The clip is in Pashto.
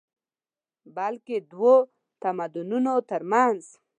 بلکې دوو تمدنونو تر منځ